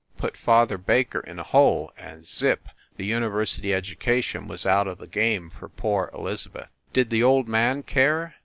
put father Baker in a hole, and zip! the university edu cation was out of the game for poor Elizabeth. Did the old man care?